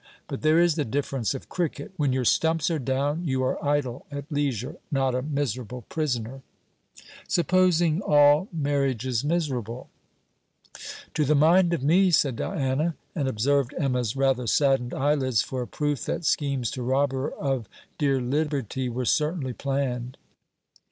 But there is the difference of cricket: when your stumps are down, you are idle, at leisure; not a miserable prisoner.' 'Supposing all marriages miserable.' 'To the mind of me,' said Diana, and observed Emma's rather saddened eyelids for a proof that schemes to rob her of dear liberty were certainly planned.